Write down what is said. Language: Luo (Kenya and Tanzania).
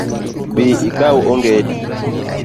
Bi ikaw ongedi